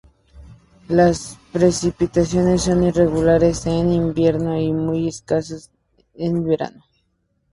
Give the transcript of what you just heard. Las precipitaciones son irregulares en invierno y muy escasas en verano.